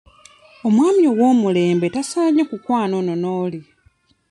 Omwami ow'omulembe tasaanye kukwana ono n'oli.